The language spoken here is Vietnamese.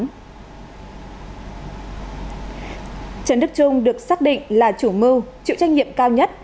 trần đức trung được xác định là chủ mưu chịu trách nhiệm cao nhất